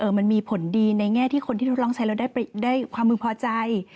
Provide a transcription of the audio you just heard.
มันมีผลดีในแง่ที่คนที่ทดลองใช้แล้วได้ความพึงพอใจ